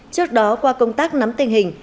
trước đó qua công tác nắm tình hình